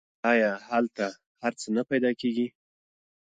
آیا هلته هر څه نه پیدا کیږي؟